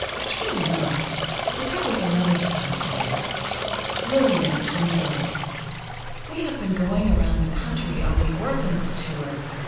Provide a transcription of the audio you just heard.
True enough, but there was another side to it: Lillian to Nell: We have been going around the country on the "Orphans" tour.